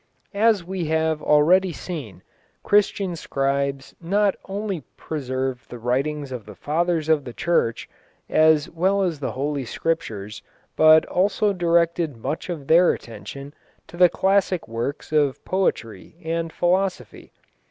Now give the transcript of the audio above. As we have already seen, Christian scribes not only preserved the writings of the Fathers of the Church, as well as the Holy Scriptures, but also directed much of their attention to the classic works of poetry and philosophy.